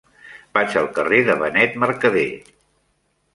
Vaig al carrer de Benet Mercadé.